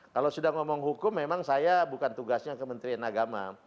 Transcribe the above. kalau sudah ngomong hukum memang saya bukan tugasnya kementerian agama